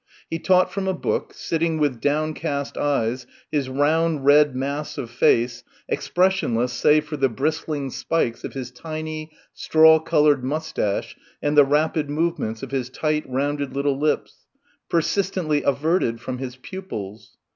He taught from a book, sitting with downcast eyes, his round red mass of face expressionless save for the bristling spikes of his tiny straw coloured moustache and the rapid movements of his tight rounded little lips persistently averted from his pupils.